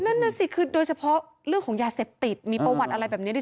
นั่นน่ะสิคือโดยเฉพาะเรื่องของยาเสพติดมีประวัติอะไรแบบนี้ด้วย